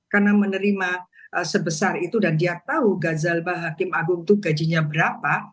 karena menerima sebesar itu dan dia tahu ghazalbah hakim agung itu gajinya berapa